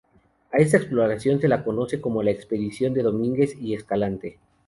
A esta exploración se la conoce como la Expedición de Domínguez y Escalante.